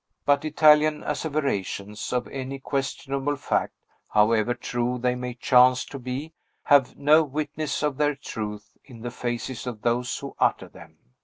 But Italian asseverations of any questionable fact, however true they may chance to be, have no witness of their truth in the faces of those who utter them.